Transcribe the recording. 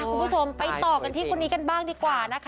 คุณผู้ชมไปต่อกันที่คนนี้กันบ้างดีกว่านะคะ